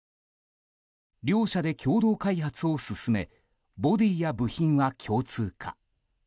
両社で共同開発を進めボディーや部品は共通化。